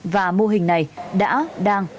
và mô hình này đã đang